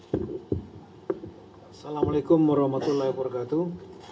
assalamualaikum warahmatullahi wabarakatuh